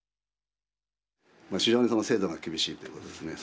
非常に精度が厳しいということですね。